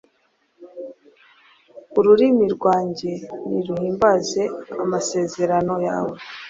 ururimi rwanjye niruhimbaze amasezerano yawe